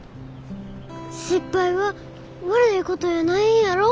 失敗は悪いことやないんやろ？